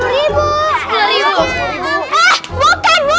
eh bukan bu